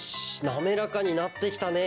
なめらかになってきたね。